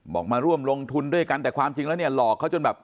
มาร่วมลงทุนด้วยกันแต่ความจริงแล้วเนี่ยหลอกเขาจนแบบ